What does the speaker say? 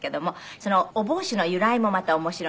そのお帽子の由来もまた面白い。